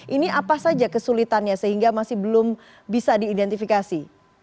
ini apa saja kesulitannya sehingga masih belum bisa diidentifikasi